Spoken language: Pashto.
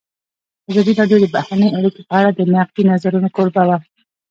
ازادي راډیو د بهرنۍ اړیکې په اړه د نقدي نظرونو کوربه وه.